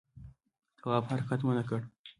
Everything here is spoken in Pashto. تواب حرکت ونه کړ.